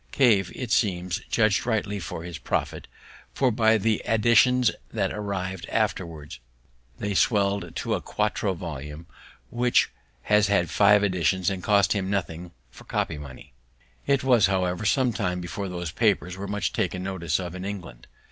Cave, it seems, judged rightly for his profit, for by the additions that arrived afterward, they swell'd to a quarto volume, which has had five editions, and cost him nothing for copy money. See page 327. It was, however, some time before those papers were much taken notice of in England.